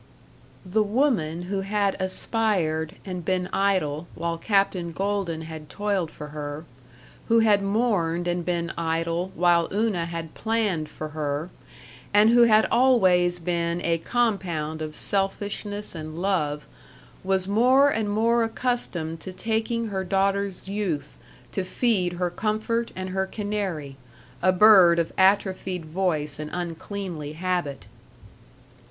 § 2 The woman who had aspired and been idle while Captain Golden had toiled for her, who had mourned and been idle while Una had planned for her, and who had always been a compound of selfishness and love, was more and more accustomed to taking her daughter's youth to feed her comfort and her canary a bird of atrophied voice and uncleanly habit.